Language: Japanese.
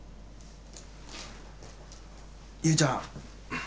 侑ちゃん。